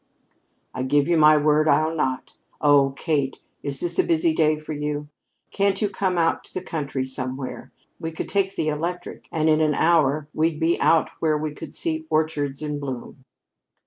"I give you my word I'll not. Oh, Kate, is this a busy day with you? Can't you come out into the country somewhere? We could take the electric and in an hour we'd be out where we could see orchards in bloom."